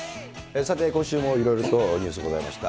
さて今週もいろいろとニュースがございました。